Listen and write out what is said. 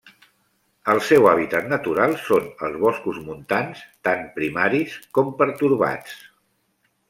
El seu hàbitat natural són els boscos montans, tant primaris com pertorbats.